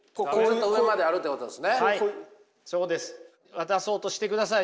渡そうとしてください